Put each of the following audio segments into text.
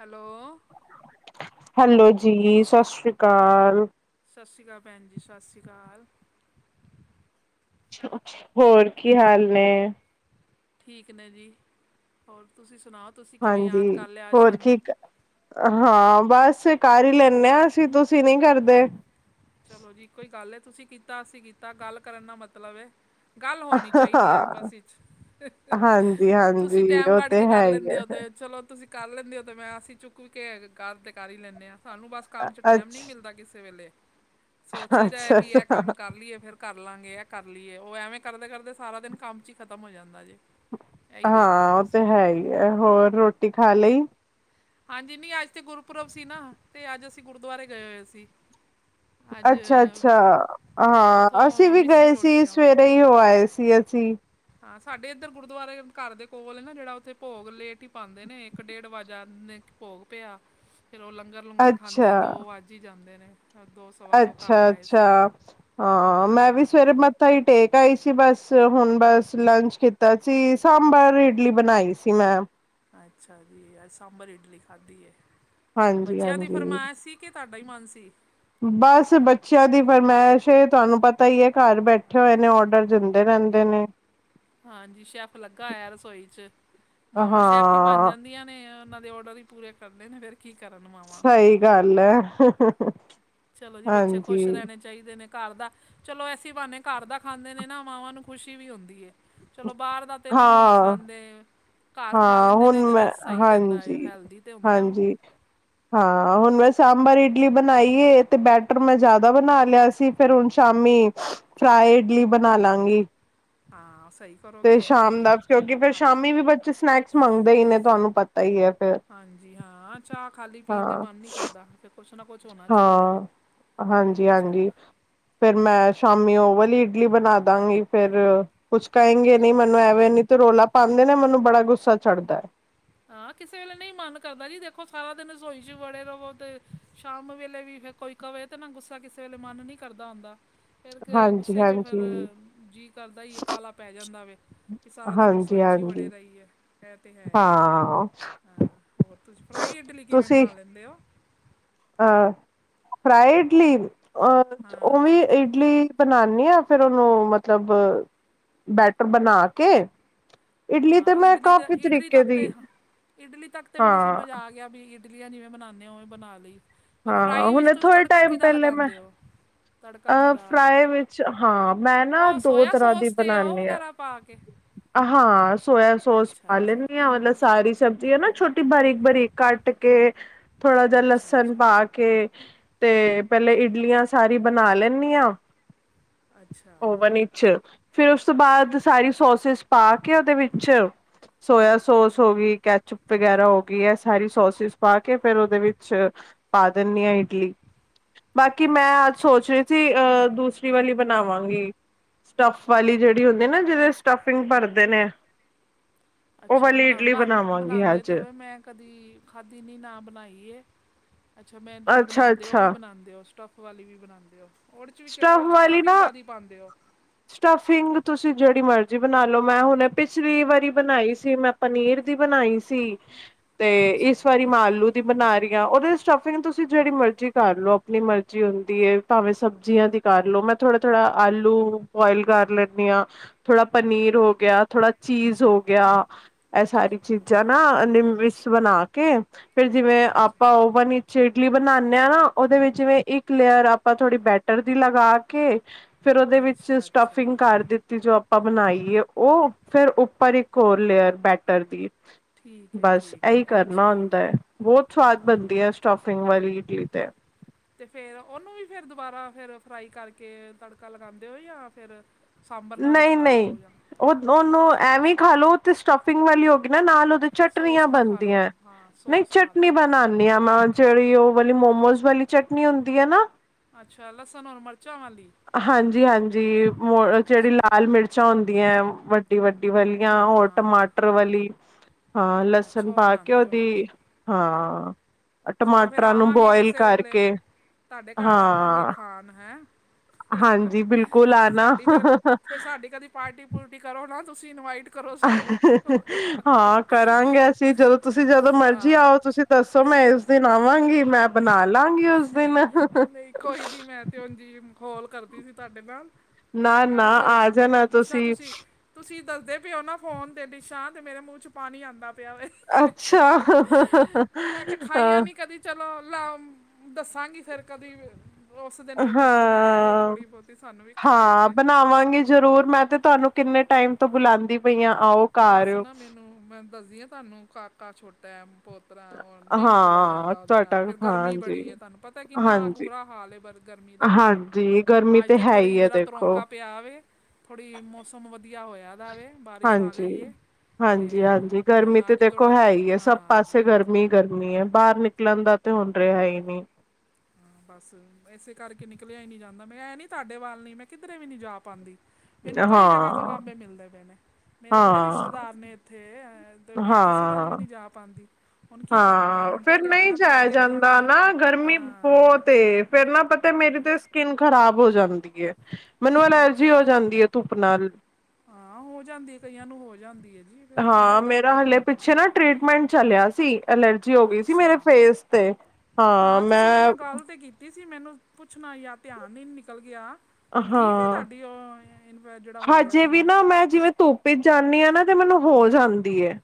Hello. Hello ਜੀ, ਸਤਿ ਸ੍ਰੀ ਅਕਾਲ। ਸਤਿ ਸ਼੍ਰੀ ਅਕਾਲ। ਭੈਣ ਜੀ, ਸਤਿ ਸ਼੍ਰੀ ਅਕਾਲ। ਹੋਰ ਕੀ ਹਾਲ ਨੇ? ਠੀਕ ਨੇ ਜੀ, ਹੋਰ ਤੁਸੀਂ ਸੁਣਾਓ, ਤੁਸੀਂ ਕਿਵੇਂ ਹਾਂਜੀ ਯਾਦ ਕਰ ਲਿਆ ਅੱਜ ਹੋਰ ਕੀ ਸਾਨੂੰ? ਹਾਂ ਬਸ ਕਰ ਹੀ ਲੈਂਦੇ ਹਾਂ ਅਸੀਂ, ਤੁਸੀਂ ਨਹੀਂ ਕਰਦੇ। ਚਲੋ ਜੀ ਇਕੋ ਇ ਗੱਲ ਐ, ਤੁਸੀਂ ਕੀਤਾ, ਅਸੀਂ ਕੀਤਾ ਗੱਲ ਕਰਨ ਦਾ ਮਤਲਬ ਹੈ। ਗੱਲ ਹੋਣੀ ਚਾਹੀਦੀ ਹੈ ਹਾਂ ਆਪਸ ਵਿੱਚ। ਹਾਂਜੀ ਤੁਸੀਂ ਹਾਂਜੀ ਟੈਮ ਉਹ ਕੱਢ ਤੇ ਕੇ ਕਰ ਹੈ ਹੀ ਲੈਂਦੇ ਹੈ ਹੋ, ਤੇ ਚਲੋ ਤੁਸੀਂ ਕਰ ਲੈਂਦੇ ਹੋ ਤੇ ਮੈਂ ਅਸੀਂ ਚੁੱਕ ਕੇ ਗੱਲ‌ ਤੇ ਕਰ ਹੀ ਲੈਂਦੇ ਹਾਂ। ਸਾਨੂੰ ਬਸ ਕੰਮ ਚ ਟੈਮ ਨਹੀਂ ਅੱਛਾ ਮਿਲਦਾ‌ ਕਿਸੇ ਵੇਲੇ, ਸੋਚੀਦਾ ਹੈ ਅੱਛਾ ਕਿ ਇਹ ਅੱਛਾ ਕੰਮ ਕਰ ਲਈਏ ਫੇਰ ਕਰ ਲਾਂਗੇ, ਆ ਕਰ ਲਈਏ, ਉਹ ਐਵੇਂ ਕਰਦੇ-ਕਰਦੇ ਸਾਰਾ ਦਿਨ ਕੰਮ ਚ ਹੀ ਖ਼ਤਮ ਹੋ ਜਾਂਦਾ ਜੇ‌। ਹਾਂ, ਉਹ ਤੇ ਹੈ ਹੀ ਹੈ। ਹੋਰ ਰੋਟੀ ਖਾ ਲਈ? ਹਾਂਜੀ, ਨੀ ਅੱਜ ਤੇ ਗੁਰਪੁਰਬ ਸੀ ਨਾ, ਤੇ ਅੱਜ ਅਸੀਂ ਗੁਰਦੁਆਰੇ ਗਏ ਹੋਏ ਸੀ। ਅੱਜ ਅੱਛਾ-ਅੱਛਾ ਉਥੋਂ ਹਾਂ, ਅਸੀਂ ਵੀ ਮਿੱਸੀ ਗਏ ਸੀ ਰੋਟੀਆਂ ਵੱਲ ਸਵੇਰੇ। ਸਵੇਰੇ ਈ ਹੋ ਆਏ ਸੀ ਅਸੀਂ। ਹਾਂ ਸਾਡੇ ਇੱਧਰ ਗੁਰਦੁਆਰੇ ਘਰ ਦੇ ਕੋਲ ਨਾ ਜਿਹੜਾ, ਉੱਥੇ ਭੋਗ ਲੇਟ ਹੀ ਪਾਉਂਦੇ ਨੇ, ਇੱਕ ਡੇਢ ਵਜਾ ਭੋਗ ਪਿਆ। ਫੇਰ ਉਹ ਲੰਗਰ ਲੂੰਗਰ ਖਾਂਦੇ ਦੋ ਅੱਛਾ ਵੱਜ਼ ਹੀ ਜਾਂਦੇ ਨੇ ਫਿਰ ਦੋਸਤ ਸਵਾ ਦੋ ਘਰ ਆਏ ਅੱਛਾ-ਅੱਛਾ, ਸੀ ਹਾਂ ਮੈਂ ਵੀ ਸਵੇਰੇ ਮ ਮੱਥਾ ਈ ਟੇਕ ਆਈ ਸੀ, ਬਸ ਹੁਣ ਬਸ ਲੰਚ ਕੀਤਾ ਸੀ, ਸਾਂਬਰ ਇਡਲੀ ਬਣਾਈ ਸੀ ਮੈਂ। ਅੱਛਾ ਜੀ। ਅੱਜ ਸਾਂਬਰ-ਇਡਲੀ ਖਾਧੀ ਹੈ। ਬੱਚਿਆਂ ਦੀ ਹਾਂਜੀ-ਹਾਂਜੀ ਫਰਮਾਇਸ਼ ਸੀ ਕਿ ਤੁਹਾਡਾ ਹੀ ਮਨ ਸੀ। ਬਸ ਬੱਚਿਆਂ ਦੀ ਫਰਮੈਸ਼ ਏ ਤੁਆਨੂੰ ਪਤਾ ਈ ਏ ਘਰ ਬੈਠੇ ਹੋਏ ਨੇ ਔਡਰ ਦਿੰ ਦੇ ਰੈਂਦੇ ਨੇ ਹਾਜੀ। ਸ਼ੈਫ ਲੱਗਾ ਹੋਇਐ ਰਸੋਈ ਚ। ਮਾਵਾਂ ਸ਼ੈਫ ਹੀ ਬਨ ਹਾਂ ਜਾਂਦੀਆਂ ਨੇ ਅ ਉਨਾਂ ਦੇ ਔਡਰ ਈ ਪੂਰੇ ਕਰਨੇ ਨੇ ਫੇਰ ਕੀ ਕਰਨ ਮਾਵਾਂ। ਸਈ ਗੱਲ ਐ। ਚਲੋ ਜੀ ਬੱਚੇ ਖੁਸ਼ ਰੈਂਣੇ ਚ ਚਾਈਦੇ ਨੇ ਘਰ ਦਾ। ਚਲੋ ਐਸੀ ਬਹਾਨੇ ਘਰ ਦਾ ਖਾਂਦੇ ਨੇ ਨਾ ਮਾਵਾਂ ਨੂੰ ਖੁਸ਼ੀ ਵੀ ਹੁੰਦੀ ਏ। ਚਲੋ ਬਾਅਰ ਦਾ ਤੇ ਨੀ ਖਾਂਦੇ। ਘਰ ਖਾਂ ਹਾਂ-ਹਾਂ ਲੈਂਦੇ ਨੇ ਹੁਣ ਜੇੜਾ ਮੈਂ ਸਈ ਰੈਂਦਾ ਏ, ਹਾਂਜੀ-ਹਾਂਜੀ ਹੈਲਦੀ ਤੇ ਹੁੰਦਾ ਏ ਓ। ਹਾਂ, ਹੁਨ ਮੈਂ ਸਾਂਬਰ ਇਡਲੀ ਬਨਾਈ ਏ ਤੇ ਬੈਟਰ ਮੈਂ ਜਾਦਾ ਬਨਾ ਲਿਆ ਸੀ ਫੇਰ ਹੁਨ ਸ਼ਾਮੀ ਫਰਾਏ ਇਡਲੀ ਬਨਾ ਲਾਂਗੀ। ਹਾਂ, ਸਈ ਤੇ ਸ਼ਾਮ ਦਾ ਕਿਉਂਕਿ ਫੇਰ ਸ਼ਾਮੀ ਵੀ ਬੱਚੇ ਸਨੈਕਸ ਮੰਗਦੇ ਈ ਨੇ ਤੁਆਨੂੰ ਪਤਾ ਈ ਏ ਫੇਰ। ਹਾਂਜੀ ਹਾਂ, ਚਾਅ ਖਾਲੀ ਪੀਨ ਤੇ ਮਨ ਨੀ ਕਰਦਾ ਕੁਛ ਨਾ ਕੁਛ ਹੋਣਾ ਚਾਈਦੈ। ਹਾਂ ਅੱਛਾ। ਫੇਰ ਮੈਂ ਸ਼ਾਮੀ ਓ ਵਾਲੀ ਇਡਲੀ ਬਨਾ ਦਾਂਗੀ ਫੇਰ ਕੁਛ ਕਏਗੇ ਅੱਛਾ ਨੀ ਮੈਨੂੰ ਐਵੇਂ, ਨੀ ਤੇ ਰੌਲਾ ਪਾਂਦੇ ਨੇ ਮੈਨੂੰ ਬੜਾ ਗੁੱਸਾ ਚੜ੍ਹਦੈ। ਹਾਂ ਕਿਸੇ ਵੇਲੇ ਨਈ ਮਨ ਕਰਦਾ ਜੀ ਦੇਖੋ ਸਾਰਾ ਦਿਨ ਰਸੋਈ ਚ ਵੜੇ ਰਵੋ ਤੇ ਸ਼ਾਮ ਵੇਲੇ ਵੀ ਫਿਰ ਕੋਈ ਕਵੇ ਤੇ, ਨਾ ਗੁੱਸਾ ਕਿਸੇ ਵੇਲੇ ਮਨ ਨੀ ਕਰਦਾ ਹੁੰਦਾ। ਫੇਰ ਕ ਹਾਂਜੀ ਗੁੱਸੇ ਚ ਫਿਰ ਹਾਂਜੀ ਜੀਅ ਕਰਦਾ ਈ ਏ ਕਾਅਲਾ ਪੈ ਜਾਂਦਾ ਵੇ- ਕਿ ਸਾਰਾ ਦਿਨ ਹਾਂਜੀ ਰਸੋਈ ਚ ਈ ਵੜੇ ਹਾਂਜੀ ਰਈਏ। ਐ ਤੇ ਹੈ ਈ ਏ। ਹਾਂ ਹਾਂ, ਹੋਰ ਤੁਸੀਂ ਫਰਾਈ ਇਡਲੀ ਕਿਵੇਂ ਬਣਾ ਲੈਂਦੇ ਓ? ਅ, ਫਰਾਏ ਇਡਲੀ ਅ ਹਾਂ ਓਵੀ ਇਡਲੀ ਬਨਾਨੀ ਆ ਫੇਰ ਉਨੂੰ ਮਤਲਬ ਬੈਟਰ ਬਨਾ ਕੇ ਹਾਂ, ਮੈਂ ਇਡਲੀ ਤੇ ਕਾਫੀ ਇਡਲੀ ਤਰੀਕੇ ਤੱਕ ਦੀ ਤੇ, ਇਡਲੀ ਤੱਕ ਤੇ ਹਾਂ ਮੈਨੂੰ ਸਮਝ ਆ ਗਿਆ ਵੀ ਇ ਇਡਲੀਆਂ ਜਿਵੇਂ ਬਨਾਨੇ ਆ ਉਵੇਂ ਬਨਾ ਲਈ। ਬਸ ਹਾਂ, ਫਰਾਈ ਵਿੱਚ ਹੁਣੇ ਤੁਸੀਂ ਥੋੜੇ ਤੜਕਾ ਟਾਈਮ ਕਿਹਦਾ ਪੈਲੇ ਮੈਂ ਲਗਾਉਂਦੇ ਹੋ ਤੜਕਾ ਅ ਕਿਹਦਾ ਫਰਾਏ ਵਿੱਚ, ਹਾਂ ਮੈਂ ਨਾ ਉਹ ਦੋ ਸੋਇਆ ਤਰ੍ਹਾਂ ਦੀ ਸੌਸ ਤੇ ਉਹ ਬਨਾਨੀ ਆ। ਵਗੈਰਾ ਪਾ ਕੇ ਹਾਂ, ਸੋਆ ਸੋਸ ਅੱਛਾ ਪਾ ਅੱਛਾ ਲੈਂਨੀ ਆ। ਮਤਲਬ ਸਾਰੀ ਸਬਜ਼ੀ ਐ ਨਾ ਛੋਟੀ ਬਾਰੀਕ-ਬਾਰੀਕ ਕੱਟ ਕੇ ਥੋੜਾ ਜਾ ਅੱਛਾ ਲਸਨ ਅੱਛਾ ਪਾ ਕੇ ਤੇ ਪੈਲੇ ਇਡਲੀਆਂ ਸਾਰੀ ਬਨਾ ਲੈਨੀ ਆ ਅੱਛਾ ਓਵਨ ਇਚ ਫਿਰ ਉਸ ਤੋਂ ਬਾਅਦ ਸਾਰੀ ਸੋਸਿਸ ਪਾ ਕੇ ਓਦੇ ਵਿੱਚ ਸੋਇਆ ਸੋਸ ਹੋ ਗੀ, ਕੈਚਪ ਵਗੈਰਾ ਹੋ ਗੀ ਐ ਸਾਰੀ ਸੋਸਿਸ ਪਾ ਕੇ ਫੇਰ ਓਦੇ ਵਿੱਚ ਪਾ ਦਿੰਨੀ ਆ ਇ ਇਡਲੀ। ਬਾਕੀ ਮੈਂ ਅੱਛਾ ਅੱਜ ਅੱਛਾ ਸੋਚ ਰੀ ਸੀ ਅ ਦੂਸਰੀ ਵਾਲੀ ਬਨਾਵਾਂਗੀ। ਸਟੱਫ ਵਾਲੀ ਜੇੜੀ ਹੁੰਦੀ ਏ ਨਾ ਜਿਦੇ ਚ ਸਟੱਫਿੰਗ ਭਰਦੇ ਨੇ। ਉਹ ਅੱਛਾ ਵਾਲੀ ਬਣਾ, ਇਡਲੀ ਬਣਾਵਾਂਗੀ ਬਨ-ਬਨਾਂਦੇ ਅੱਜ ਤੇ ਮੈਂ ਕਦੀ ਖਾਧੀ ਨੀ ਨਾ ਬਨਾਈ ਏ। ਅੱਛਾ ਮੇਨ ਤੁਸੀਂ ਅੱਛਾ ਬਨਾਂਦੇ ਓ ਵੀ ਅੱਛਾ ਬਨਾਂਦੇ ਓ ਸ ਸਟੱਫ ਵਾਲੀ ਵੀ ਬਨਾਂਦੇ ਓ, ਓਦੇ ਚ ਵੀ ਸਟਫ ਓਦੇ ਚ ਵਾਲੀ ਸਟੱਫਿੰਗ ਨਾ ਕਾਦੀ ਪਾਂਦੇ ਓ? ਸਟਫਿੰਗ ਤੁਸੀਂ ਜੇੜੀ ਮਰਜ਼ੀ ਬਨਾ ਲੋ ਮੈਂ ਹੁਨੇ ਪਿਛਲੀ ਵਾਰੀ ਬਨਾਈ ਸੀ, ਮੈਂ ਪਨੀਰ ਦੀ ਬਨਾਈ ਸੀ। ਤੇ ਅੱਛਾ ਇਸ ਵਾਰੀ ਮੈਂ ਆਲੂ ਦੀ ਬਨਾ ਰੀ ਆਂ, ਓਦੇ ਵਿੱਚ ਸਟਫਿੰਗ ਤੁਸੀਂ ਜੇੜੀ ਮਰਜ਼ੀ ਕਰ ਲਓ ਅਪਨੀ ਮਰਜ਼ੀ ਹੁੰਦੀ ਏ, ਭਾਵੇਂ ਸਬਜ਼ੀਆਂ ਦੀ ਕਰ ਲੋ। ਮੈਂ ਥੋੜਾ- ਥੋੜਾ ਆਲੂ ਬੋਇਲ ਕਰ ਲੈਨੀ ਆ, ਥੋੜਾ ਪਨੀਰ ਹੋ ਗਿਆ, ਥੋੜਾ ਚੀਜ਼ ਹੋ ਗਿਆ। ਐ ਸਾਰੀ ਚੀਜ਼ਾਂ ਨਾ ਐਨਦੀ ਮਿਸ ਬਨਾ ਕੇ ਫੇਰ ਜਿਵੇਂ ਅੱਛਾ ਆਪਾਂ ਓਵਨ ਇ ਤੇ ਇਡਲੀ ਬਣਾਣੇ ਆ ਨਾ, ਓਦੇ ਵਿੱਚ ਜਿਵੇਂ ਇੱਕ ਲੇਅਰ ਆਪਾਂ ਥੋੜ੍ਹੀ ਬੈਟਰ ਦੀ ਲਗਾ ਕੇ ਫੇਰ ਓਦੇ ਵਿੱਚ ਅੱਛਾ ਅੱਛਾ ਸਟਫਿੰਗ ਕਰ ਦਿੱਤ ਦਿੱਤੀ, ਜੋ ਆਪਾਂ ਬਣਾਈ ਏ ਓ, ਫਿਰ ਉੱਪਰ ਇੱਕ ਹੋਰ ਲੇਅਰ ਬੈਟਰ ਦੀ ਠੀਕ ਹੈ ਬਸ ਠੀਕ ਏਹੀ ਹੈ ਕਰਨਾ ਅੱਛਾ ਹੁੰਦਾ ਐ, ਬੋਤ ਸਵਾਦ ਹਾਂ ਬਣਦੀ ਐ ਸਟਫਿੰਗ ਵਾਲੀ ਇਡਲੀ ਤੇ। ਤੇ ਫੇਰ ਉਹਨੂੰ ਵੀ ਫਿਰ ਦੁਬਾਰਾ ਫਿਰ ਫਰਾਈ ਕਰਕੇ ਤੜਕਾ ਲਗਾਂਦੇ ਹੋ, ਜਾਂ ਫਿਰ ਸਾਂਬਰ ਨਾਲ ਹੀ ਖਾ ਨਈ-ਨਈ ਲਓ ਜਾਂ ਓ ਓਨੂੰ ਐਵੇਂ ਖਾ ਲਓ ਤੇ ਸਟਫਿੰਗ ਵਾਲੀ ਹੋ ਗਈ ਨਾ ਨਾਲ ਔਦੇ ਚਟਨੀਆਂ ਬਣਦੀਆਂ, ਨਈ ਚਟਨੀ ਬਣਾ ਣੀਆਮਾਨ, ਜੇੜੀ ਓ ਵਾਲੀ ਮੋਮੋਸ ਵਾਲੀ ਚਟਨੀ ਹੁੰਦੀ ਏ ਨਾ ਅੱਛਾ ਲਸਣ ਔਰ ਮਰਚਾਂ ਵਾਲੀ ਹਾਂਜੀ- ਹਾਂਜੀ ਮੋ ਜੇੜੀ ਅੱਛਾ ਲਾਲ ਮਿਰਚਾਂ ਹੁੰਦੀਆਂ ਵੱਡੀ- ਵੱਡੀ ਵੱਡੀ ਵਾਲੀਆਂ, ਹੋਰ ਹਾਂ ਟਮਾਟਰ ਵਾਲੀ, ਹਾਂ ਅੱਛਾ ਲਸਣ ਉਹ ਪਾ ਕੇ ਬਣਾਉਂਦੇ ਹੋ ਨਾਲ ਓਦੀ ਹਾਂ, ਚਲੋ ਫਿਰ ਟਮਾਟਰਾਂ ਨੂੰ ਆਵਾਂਗੇ ਬੋਏਲ ਕਿਸੇ ਵੇਲੇ ਕਰਕੇ ਹਾਂ ਹੈਂ, ਹਹਹ, ਹਾਂਜੀ ਬਿਲਕੁਲ ਆਣਾ ਸਾਡੀ ਫੇਰ, ਫੇਰ ਸਾਡੀ ਕਦੀ ਪਾਰਟੀ -ਪੂਰਟੀ ਕਰੋ ਨਾ ਤੁਸੀਂ ਇਨਵਾਈਟ ਕਰੋ ਸਾਨੂੰ ਅਹਹ, ਹਾਂ ਕਰਾਂਗੇ ਅਸੀਂ, ਜਦੋਂ ਤੁਸੀਂ ਜਦੋਂ ਮਰਜ਼ੀ ਹਾਂ ਆਓ ਤੁਸੀਂ ਦੱਸੋ ਮੈਂ ਇਸ ਦਿਨ ਆਵਾਂਗੀ, ਮੈਂ ਬਣਾ-ਲਾਂਗੀ ਉਸ ਦਿਨ ਹਹ ਨਹੀਂ ਕੋਈ ਨਹੀਂ ਮੈਂ ਤੇ ਉਂਝ ਈ ਮਖੌਲ ਕਰਦੀ ਸੀ ਤਾਡੇ ਨਾਲ, ਨਾ-ਨਾ ਵੈਸੇ ਆ ਜਾਣਾ ਡਿਸ਼ਾ ਤੁਸੀਂ ਤੁਸੀਂ ਦੱਸਦੇ ਪਏ ਓ ਨਾ ਫ਼ੋਨ ਤੇ ਡਿਸ਼ਾਂ ਤੇ ਮੇਰੇ ਮੂੰਹ ਚ ਪਾਣੀ ਆਂਦਾ ਪੇਆ ਵੇਖ, ਅੱਛਾ ਹਹਹ, ਤੇ ਮੈਂ ਕੇਆ ਖਾਈਆਂ ਹਾਂ ਨੀ ਕਦੀ ਚਲੋ ਲੋ ਦੱਸਾਂਗੀ ਫੇਰ ਕਦੀ ਤੇ ਓਸ ਦਿਨ ਫੇਰ ਤੁਸੀਂ ਬਣਾਏਆ ਜੇ ਹਾਂ ਥੋੜ੍ਹੀ ਬੋਤੀ ਸਾਨੂੰ ਵੀ ਖਵਾਏਆ ਜੇ। ਆਵਾਗੇ ਜ਼ਰੂਰ ਮੈਂ ਤੇ, ਤੁਆਨੂੰ ਕਿੰਨੇ ਟਾਏਮ ਤੋਂ ਬੁਲਾਦੀ ਪਈ ਆਂ ਆਓ। ਘਰ ਬਸ ਨਾ ਮੈਨੂੰ, ਮੈਂ ਦੱਸਦੀ ਆ ਤੁਆਨੂੰ ਕਾਫ ਕਾ ਛੋਟਾ ਐ, ਪੋਤਰਾ ਔ ਨਈ ਨਿਕਲਿਆ ਹਾਂ ਜਾਂਦਾ ਔਦੇ ਨਾਲ, ਤੁਹਾਡਾ ਫੇਰ ਗਰਮੀ ਹਾਂਜੀ ਬੜੀ ਏ। ਤੁਆਨੂੰ ਪਤਾ ਕਿੰਨਾ ਅੱਗ ਹਾਂਜੀ ਬੁਰਾ ਹਾਲ ਏ, ਬ ਗਰਮੀ ਹਾਂਜੀ। ਗਰਮੀ ਆਜ ਤੇ ਹੈ ਥੋੜੀ ਹੀ ਹੈ ਜਰਾ ਦੇਖੋ ਤਰੋਂਕਾ ਪਿਆ ਵੇ, ਥੋੜੀ ਮੌਸਮ ਵਧੀਆ ਹੋਇਆ ਦਾ ਵੇ ਬਾਰਿਸ਼ ਆ ਗਈ ਏ ਤੇ ਹਾਂਜੀ-ਹਾਂਜੀ, ਹਾਂਜੀ ਗਰਮੀ ਹੁਣ ਤੇ ਅੱਜ ਦੇਖੋ ਥੋੜਾ ਹੈ ਈ ਐ, ਸਭ ਹਾਂ ਪਾਸੇ ਗਰਮੀ ਗਰਮੀ -ਗਰਮੀ ਐ, ਬਾਰ ਨਿਕਲਣ ਦਾ, ਤੇ ਹੁਣ ਰਿਹਾ ਹੀ ਨੀ। ਬੱਸ। ਏਸੇ ਕਰਕੇ ਨਿਕਲਿਆ ਈ ਨੀ ਜਾਂਦਾ, ਮੈਂ ਐ ਨੀ ਤਾਡੇ ਵੱਲ ਨੀ, ਮੈਂ ਕਿੱਧਰੇ ਵੀ ਨੀ ਜਾ ਪਾਂਦੀ। ਮੈਨੂੰ ਕਈ ਜਗ੍ਹਾ ਤੋਂ ਹਾਂ ਲਾਂਬੇ ਮਿਲਦੇ ਪੇ ਨੇ, ਮੇਰੇ ਬੜੇ ਹਾਂ ਰਿਸ਼ਤੇਦਾਰ ਨੇ ਏਥੇ ਤੇ ਮੈਂ ਕਿਸੇ ਵੱਲ ਹਾਂ ਵੀ ਨੀ, ਜਾ ਪਾਂਦੀ। ਹਾਂ ਫੇਰ ਨਈ ਜਾਏਆ ਜਾਂਦਾ ਦੇਖਾਂਗੀ ਨਾ, ਗਰਮੀ ਹਾਂ ਬੋਤ ਏ। ਫੇਰ ਨਾ ਪਤਾ ਮੇਰੀ ਤੇ ਸਕਿਨ ਖ਼ਰਾਬ ਹੋ ਜਾਂਦੀ ਏ, ਮੈਨੂੰ ਹੋਰ ਅਲਰਜੀ ਕੀ ਹੋ ਜਾਂਦੀ ਏ ਧੁੱਪ ਨਾਲ। ਹਾਂ ਹੋ ਜਾਂਦੀ ਏ, ਕਈਆਂ ਨੂੰ ਹੋ ਜਾਂਦੀ ਏ। ਹਾਂ, ਮੇਰਾ ਹਲੇ ਪਿੱਛੇ ਨਾ ਟ੍ਰਰੀਟਮੈਂਟ ਚੱਲੇਆ ਸੀ। ਐਲਰਜੀ ਹੋ ਗੀ ਸੀ, ਮੇਰੇ ਅੱਛਾ ਫੇਸ, ਤੇ ਹਾਂ ਮੈਂ ਕੀ ਸੀ, ਮੈਨੂੰ ਪੁੱਛਣਾ ਯਾ ਧਿਆਨ ਨੀ ਨਿਕਲ ਗੇਆ। ਹੁਣ ਠੀਕ ਏ, ਹਾਂ ਤੁਆਡੀ ਔ ਈਨਵੇ ਜੇੜਾ ਹੋ ਗੇਆ ਹਜੇ ਸੀ। ਵੀ ਨਾ ਮੈਂ ਜਿਵੇਂ ਧੁੱਪ ਵਿਚ ਜਾਂਨੀ ਆ ਨਾ, ਤੇ ਮੈਨੂੰ ਹੋ ਜਾਂਦੀ ਏ।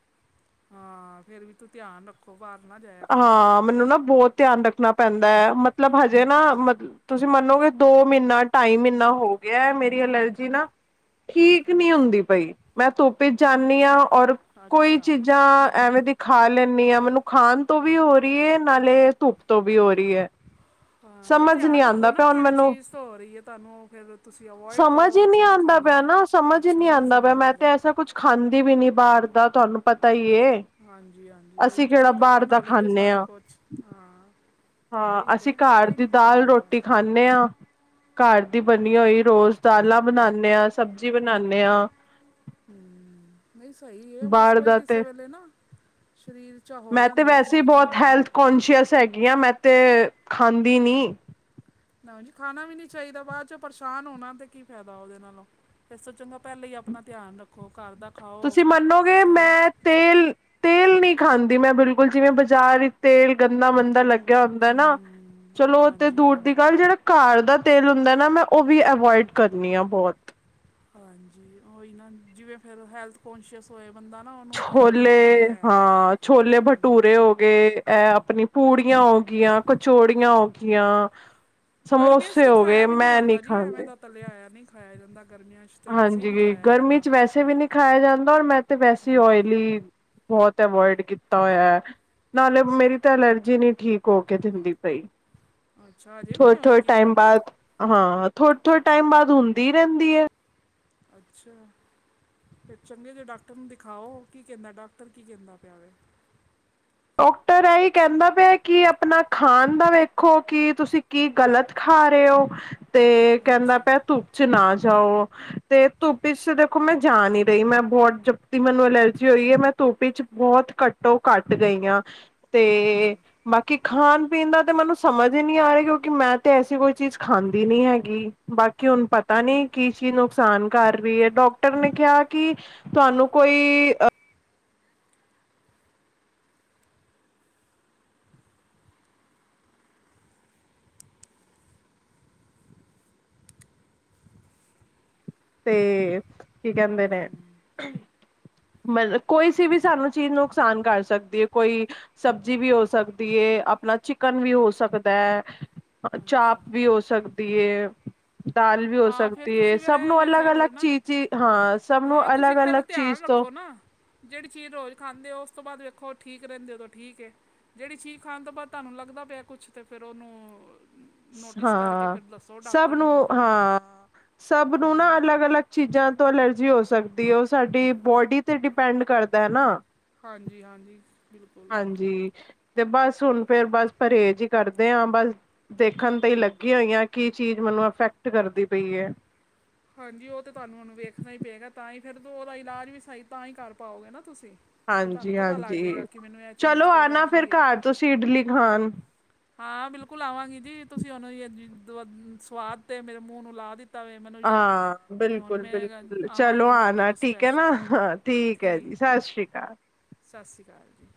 ਹਾਂ, ਫੇਰ ਵੀ, ਤੂੰ ਧਿਆਨ ਰੱਖੋ ਬਾਰ ਨਾ ਜਾਏਆ ਕਰੋ ਧੁੱਪੇ। ਏ ਨਾ ਬੋਤ ਧਿਆਨ ਰੱਖਣਾ ਪੈਂਦਾ ਐ‌, ਮਤਲਬ ਹਜੇ ਨਾ, ਮਤਲ ਤੁਸੀਂ ਮੰਨੋਗੇ, ਦੋ ਮ੍ਹੀਨਾ-ਢਾਈ ਮ੍ਹੀਨਾ ਹੋ ਗਿਐ, ਮੇਰੀ ਅਲਰਜੀ ਨਾ ਠੀਕ ਨੀ ਹੁੰਦੀ ਪਈ, ਮੈਂ ਧੁੱਪ 'ਚ ਜਾਨੀ ਆਂ। ਔਰ ਕੋਈ ਅੱਛਾ ਚੀਜ਼ਾਂ ਐਵੇਂ ਦੀ ਖਾ ਲੈਂਨੀ ਆ, ਮੈਨੂੰ ਖਾਨ ਤੋਂ ਵੀ ਹੋ ਰੀ ਏ, ਨਾਲੇ ਧੁੱਪ ਤੋਂ ਵੀ ਹੋ ਰੀ ਐ। ਹਾਂ, ਨਈ ਧਿਆਨ ਰੱਖੋ ਨਾ, ਕੇੜੀ ਮੈਨੂੰ ਚੀਜ਼ ਤੋਂ ਹੋ ਰੀ ਏ ਤੁਆਨੂੰ, ਫੇਰ ਤੁਸੀਂ ਅਵੋਇਡ ਕਰੋ, ਔ ਚੀਜ਼ ਖਾਨੀ। ਪੈ ਨਾ, ਸਮਝ ਈ ਨੀ ਆਂਂਦਾ ਪੇਆ। ਮੈਂ ਤੇ ਐਸਾ ਕੁੱਛ ਖਾਂਦੀ ਵੀ ਨੀ ਬਾਰ ਦਾ, ਤੁਹਾਨੂੰ ਪਤਾ ਈ ਏ। ਹਾਂਜੀ-ਹਾਂਜੀ, ਔਈ ਅਸੀਂ ਤੁਸੀਂ ਕਿਹੜਾ ਤਾਂ ਘਰ ਬਾਹਰ ਦਾ ਬਨਾ ਲੈਂਦੇ ਓ ਖਾਂਦੇ ਸਾਰਾ ਹਾਂ ਕੁਛ, ਹਾਂ। ਉਹੀ ਹਾਂ ਅਸੀਂ ਤੇ ਕਾਰ ਕੋਈ ਦੀ ਨਹੀਂ ਪਤਾ ਦਾਲ- ਲੱਗਦਾ ਰੋਟੀ ਖਾਂਨੇ ਆਂ। ਘਰ ਦੀ ਬਨੀ ਹੋਈ ਰੋਜ਼ ਦਾਲਾਂ ਬਨਾਨੇ ਆਂ, ਸਬਜ਼ੀ ਬਨਾਨੇ ਆਂ। ਹੂੰ, ਨਈ ਸਹੀ ਏ, ਬਸ ਬਾਹਰ ਔਈ ਦਾ ਤੇ ਕਿਸੇ ਵੇਲੇ ਨਾ ਸ਼ਰੀਰ 'ਚ ਹੋ ਜਾਂਦੈ ਐ, ਕਿਸੀ ਚੀਜ਼ ਨਾਲ। ਕੋਂਨਸ਼ੀਅਸ ਹੈਗੀ ਆਂ, ਮੈਂ ਤੇ ਖਾਂਦੀ ਨੀ। ਨਾ ਜੀ, ਖਾਨਾ ਵੀ ਨੀ ਚਾਈਦਾ। ਬਾਦ 'ਚੋ ਪਰੇਸ਼ਾਨ ਹੋਨਾ ਤੇ ਕੀ ਫੈਦਾ ਔਦੇ ਨਾਲੋਂ? ਏਸ ਤੋ ਚੰਗਾ ਪੈਲਾਂ ਈ ਆਪਨਾ ਧਿਆਨ ਰੱਖੋ, ਘਰ ਦਾ ਖਾਓ ਸਹੀ। ਤੇਲ-ਤੇਲ ਨੀ ਖਾਂਦੀ, ਮੈਂ ਬਿਲਕੁਲ ਜਿਵੇਂ ਬਾਜ਼ਾਰ ਇ ਤੇਲ ਗੰਦਾ-ਮੰਦਾ ਲੱਗ ਗਿਆ ਹੁੰਦੈ ਨਾ, ਹਮ ਚਲੋ ਔਤੇ ਹਾਂਜੀ ਦੂਰ ਹਾਂਜੀ ਦੀ ਗੱਲ ਜੇੜਾ ਘਰ ਦਾ ਤੇਲ ਹੁੰਦੈ ਨਾ, ਮੈਂ ਔ ਵੀ ਅਵੋਇਡ ਕਰਨੀ ਆ ਬੋਤ। ਹਾਂਜੀ, ਔਈ ਨਾ ਜਿਵੇਂ ਫੇਰ ਹੈਲਥ ਕੋਂਸ਼ੀਅਸ ਹੋਏ ਬੰਦਾ ਨਾ, ਔਨੂੰ ਫੇਰ ਛੋਲੇ ਹੁੰਦਾ ਐ, ਕੀ? ਪੇਅ ਹੋਗੇ, ਐ ਆਪਨੀ ਪੂੜੀਆਂ ਹੋ ਗੀਆਂ, ਕਚੋੜੀਆਂ ਹੋ ਗੀਆਂ ਗਰਮੀਆਂ 'ਚ ਤੇ ਖਾਇਆ ਵੀ ਨੀ ਜਾਂਦਾ ਜੀ, ਐਵੇਂ ਖਾਂਦੇ। ਦਾ ਤੱਲਿਆ ਹੋਇਆ ਨਈ ਖਾਇਆ ਜਾਂਦਾ ਗਰਮੀਆਂ 'ਚ। ਤਾਂ ਵੈਸੇ ਹੀ ਨਹੀਂ ਹਾਂਜੀ, ਖਾਇਆ ਗਰਮੀ ਜਾਂਦਾ 'ਚ ਵੈਸੇ ਵੀ ਨੀ ਖਾਇਆ ਜਾਂਦਾ, ਔਰ ਮੈਂ ਤੇ ਵੈਸੇ ਹਮ ਔਇਲੀ ਬੋਤ ਅਵੋਇਡ ਕੀਤਾ ਹੋਇਐ। ਨਾਲੇ ਮੇਰੀ ਤੇ ਐਲਰਜੀ ਨੀ ਠੀਕ ਹੋ ਕੇ ਦਿੰਦੀ ਪਈ। ਅੱਛਾ ਅਜੇ ਵੀ ਨਹੀਂ ਹੋਈ ਥੋਏ-ਥੋਏ ਕੀ ਟਾਈਮ ਤੁਹਾਡੀ ਬਾਦ, ਹਾਂ ਥੋਏ-ਥੋਏ ਟਾਈਮ ਬਾਦ ਹੁੰਦੀ ਰੈਂਦੀ ਏ। ਅੱਛਾ। ਫੇਰ ਚੰਗੇ ਜੇਅ ਡਾਕਟਰ ਨੂੰ ਦਿਖਾਓ, ਕੀ ਕੈਂਦਾ ਡਾਕਟਰ? ਕੀ ਕੈਂਦਾ ਪੇਆ ਵੇ? ਡਾਕਟਰ ਐਈ ਕੈਂਦਾ ਪੇਆ ਕਿ ਆਪਨਾ ਖਾਨ ਦਾ ਵੇਖੋ, ਕਿ ਤੁਸੀਂ ਕੀ ਗਲਤ ਖਾ ਰੇਅ ਓ ਤੇ ਕੈਂਦਾ ਅੱਛਾ ਪੇਆ ਧੁੱਪ 'ਚ ਨਾ ਜਾਓ। ਤੇ ਧੁੱਪ 'ਚ ਦੇਖੋ, ਮੈਂ ਜਾ ਨੀ ਰਹੀ। ਮੈਂ ਬੋਤ ਜਬ ਦੀ ਮੈਨੂੰ ਅਲਰਜੀ ਹੋਈ ਐ, ਮੈਂ ਧੁੱਪ 'ਚ ਬੋਤ ਘੱਟੋ-ਘੱਟ ਗਈ ਆ ਤੇ ਅੱਛਾ ਬਾਕੀ ਖਾਨ-ਪੀਨ ਦਾ ਤੇ ਮੈਨੂੰ ਸਮਝ ਈ ਨੀ ਆਈ, ਕਿਉਂਕਿ ਮੈਂ ਤੇ ਐਸੀ ਕੋਈ ਚੀਜ਼ ਖਾਂਦੀ ਨੀ ਹੈਗੀ। ਬਾਕੀ ਹੁਨ ਪਤਾ ਨੀ ਕੀ ਚੀਜ਼ ਨੁਕਸਾਨ ਕਰ ਰੀ ਏ, ਡਾਕਟਰ ਨੇ ਕੇਹਾ ਕਿ ਤੁਹਾਨੂੰ ਕੋਈ ਅ 'ਤੇ ਕੀ ਕਹਿੰਦੇ ਨੇ ਹਮ ਮਤਲਬ ਕੋਈ ਸੀ ਵੀ ਸਾਨੂੰ ਚੀਜ਼ ਨੁਕਸਾਨ ਕਰ ਸਕਦੀ ਏ ਕੋਈ ਸਬਜ਼ੀ ਵੀ ਹੋ ਸਕਦੀ ਏ ਆਪਨਾ ਚਿਕਨ ਵੀ ਹੋ ਸਕਦੈ। ਚਾਪ ਅੱਛਾ ਵੀ ਹੋ ਸਕਦੀ ਏ, ਦਾਲ ਵੀ ਹੋ ਹਾਂ ਫਿਰ ਸਕਦੀ ਏ ਤੁਸੀਂ ਫਿਰ ਸਭ ਇਹ ਹੀ ਉਨੂੰ ਵੇਖਿਆ ਅਲੱਗ-ਅਲੱਗ ਕਰੋ ਨਾ ਚੀਜ਼ ਦੀ ਹਾਂ ਸਭ ਨੂੰ ਹਾਂ, ਤੁਸੀਂ ਅਲੱਗ ਫੇਰ ਓ ਅਲੱਗ ਚੀਜ਼ ਧਿਆਨ ਤੋਂ ਰੱਖੋ ਨਾ? ਜੇੜੀ ਚੀਜ਼ ਰੋਜ਼ ਖਾਂਦੇ ਓ, ਉਸ ਤੋਂ ਬਾਦ ਵੇਖੋ, ਠੀਕ ਰੈਂਦੇ ਓ ਤੇ ਠੀਕ ਏ। ਜੇੜੀ ਚੀਜ਼ ਖਾਨ ਤੋਂ ਬਾਦ ਤਾਨੂੰ ਲੱਗਦਾ ਪੇਐ ਕੁਛ, ਤੇ ਫੇਰ ਓਨੂੰ ਨੋਟਿਸ ਕਰਕੇ ਹਾਂ ਫੇਰ ਦੱਸੋ ਸਭ ਡਾਕਟਰ ਨੂੰ ਆਪਨੇ। ਹਾਂ ਸਭ ਨੂੰ ਨਾ ਅਲੱਗ-ਅਲੱਗ ਚੀਜ਼ਾਂ ਤੋਂ ਅਲਰਜੀ ਹੋ ਸਕਦੀ ਏ ਉਹ ਸਾਡੀ ਬੋਡੀ ਤੇ ਡਿਪੈਂਡ ਕਰਦਾ ਐ ਨਾ। ਹਾਂਜੀ-ਹਾਂਜੀ। ਹਾਂਜੀ, ਤੇ ਬਸ ਹੁਣ ਫੇਰ ਬਸ ਪਰੇਜ ਈ ਕਰਦੇ ਆਂ ਬਾਸ, ਦੇਖਨ ਤੇ ਈ ਲੱਗੀ ਹੋਈ ਆਂ ਕੀ ਚੀਜ਼ ਮਨੂੰ ਅਫੈਕਟ ਕਰਦੀ ਪਈ ਏ। ਹਾਂਜੀ ਓ ਤੇ ਤੁਆਨੂੰ ਉਹਨੂੰ ਵੇਖਨਾ ਈ ਪਏਗਾ ਤਾਂ ਈ ਫੇਰ ਓਦਾ ਇਲਾਜ ਵੀ ਸਈ ਤਾਂ ਈ ਕਾਰ ਪਾਓਗੇ ਨਾ ਤੁਸੀਂ। ਜੇ ਤੁਹਾਨੂੰ ਹਾਂਜੀ ਪਤਾ ਲੱਗ ਜੇ ਹਾਂਜੀ ਗਾ ਕਿ ਮੈਨੂੰ ਐ ਚੀਜ ਤੋਂ ਐਲਰਜੀ ਏ। ਤੁਸੀ ਇਡਲੀ ਖਾਨ ਹਾਂ ਬਿਲਕੁਲ ਆਵਾਂਗੇ ਜੀ ਤੁਸੀਂ ਹੋਨ ਏਈ ਓ ਜ ਦੋ, ਸਵਾਦ ਤੇ ਮੇਰੇ ਮੂੰਹ ਨੂੰ ਲਾ ਦਿੱਤ ਹਾਂ, ਬਿਲਕੁਲ-ਬਿਲਕੁਲ ਚਲੋ ਆਵਾਂਗੀ ਤੁਹਾਡੇ ਆਨਾ ਕੋਲ ਠੀਕ ਐ ਸਪੈਸ਼ਲ ਨਾ ਹਾਂ। ਠੀਕ ਐ ਜੀ, ਸਾਸ ਸ੍ਰੀ ਕਾਲ। ਸਸ ਸ੍ਰੀ ਕਾਲ ਜੀ।